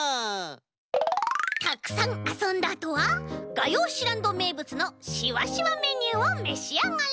たくさんあそんだあとはがようしランドめいぶつのしわしわメニューをめしあがれ！